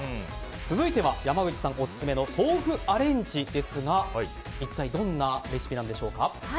続いては山口さんオススメの豆腐アレンジですが一体どんなレシピなんでしょうか。